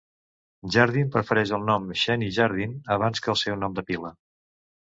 Jardin prefereix el nom "Xeni Jardin" abans que seu nom de pila.